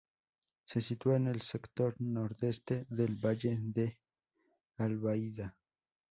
Se sitúa en el sector nordeste del valle de Albaida.